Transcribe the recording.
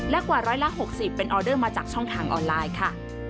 และกว่าร้อยละ๖๐เป็นออเดอร์มาจากช่องทางออนไลน์ค่ะ